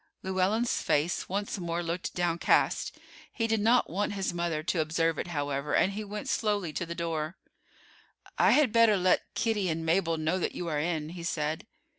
Llewellyn's face once more looked downcast. He did not want his mother to observe it, however, and he went slowly to the door. "I had better let Kitty and Mabel know that you are in," he said.